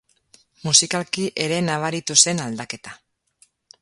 Musikalki ere nabaritu zen aldaketa.